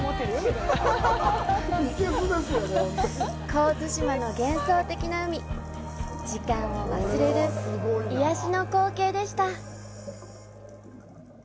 神津島の幻想的な海時間を忘れる癒やしの光景でした。